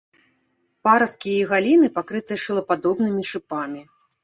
Парасткі і галіны пакрытыя шылападобнымі шыпамі.